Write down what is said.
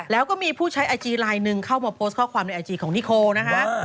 แล้วก็มีผู้ใช้ไอจีลายหนึ่งเข้ามาโพสต์ข้อความในไอจีของนิโคนะฮะ